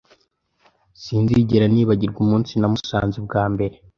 Sinzigera nibagirwa umunsi namusanze bwa mbere